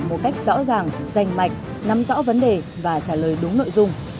một cách rõ ràng rành mạnh nắm rõ vấn đề và trả lời đúng nội dung